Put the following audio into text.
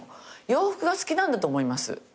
洋服が好きなんだと思います。